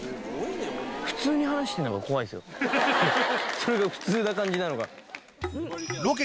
それが普通な感じなのが。